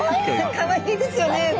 かわいいですよね。